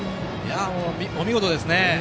お見事ですね。